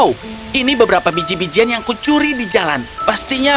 oh ini beberapa biji bijian yang kucuri di jalan pastinya